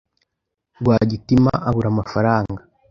Rwagitima abura amafaranga.